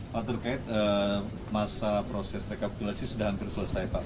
pak terkait masa proses rekapitulasi sudah hampir selesai pak